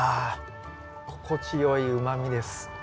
心地よいうまみです。